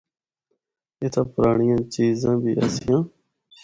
اِتھا پرانڑیاں چیزاں بھی آسیاں۔